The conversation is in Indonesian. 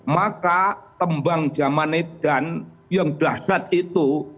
maka tembang zaman medan yang dahsyat itu